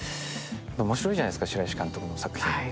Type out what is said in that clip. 面白いじゃないですか、白石監督の作品。